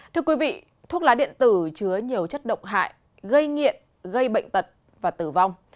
thưa quý vị thuốc lá điện tử chứa nhiều chất độc hại gây nghiện gây bệnh tật và tử vong